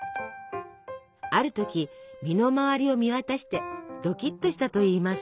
ある時身の回りを見渡してドキッとしたといいます。